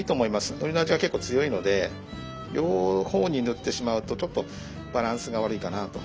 のりの味が結構強いので両方に塗ってしまうとちょっとバランスが悪いかなと。